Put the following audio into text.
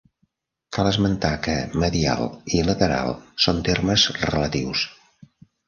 Cal esmentar que medial i lateral són termes relatius.